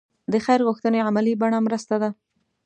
د خیر غوښتنې عملي بڼه مرسته ده.